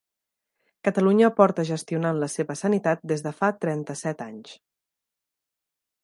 Catalunya porta gestionant la seva sanitat des de fa trenta-set anys.